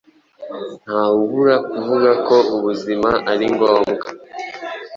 Ntawabura kuvuga ko ubuzima ari ngombwa.